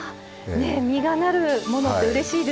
実がなるものってうれしいですよね。